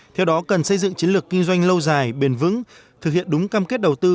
theo đó cần xây dựng chiến lược kinh doanh lâu dài bền vững thực hiện đúng cam kết đầu tư